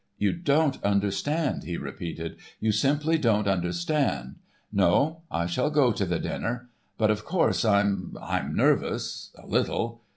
"You don't understand," he repeated. "You simply don't understand. No, I shall go to the dinner. But of course I'm—I'm nervous—a little.